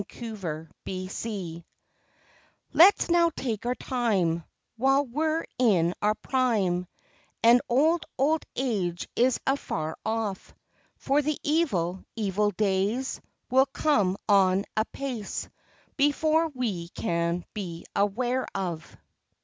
TO BE MERRY Let's now take our time, While we're in our prime, And old, old age is afar off; For the evil, evil days Will come on apace, Before we can be aware of.